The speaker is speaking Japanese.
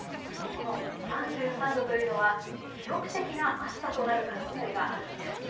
この３３度というのは記録的な暑さとなる可能性があるんです。